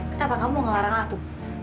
kenapa kamu ngelarang aku